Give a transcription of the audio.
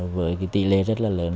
với tỷ lệ rất là lớn